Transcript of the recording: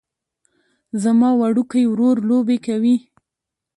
زما وړوکی ورور لوبې کوي